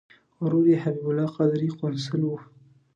ورور یې حبیب الله قادري قونسل و.